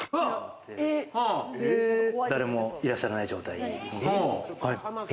誰もいらっしゃらない状態に。